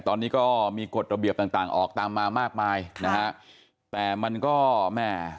ตอนนี้ก็มีกฎระเบียบต่างต่างออกตามมามากมายนะฮะแต่มันก็แม่